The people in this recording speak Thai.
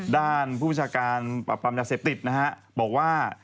ด้านผู้จัดการปรับปรามยาเสพติดบอกว่า